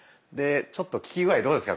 ちょっと効き具合どうですか？